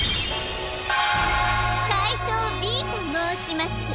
かいとうＢともうします！